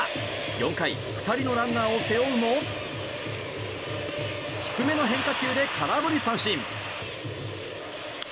４回、２人のランナーを背負うも低めの変化球で空振り三振。